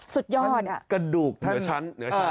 สุดยอดกะดูกแค่เหนือชั้น